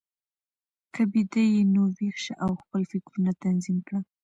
که بیده یې، نو ویښ شه او خپل فکرونه تنظیم کړه.